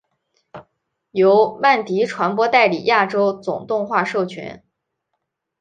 由曼迪传播代理亚洲总动画授权。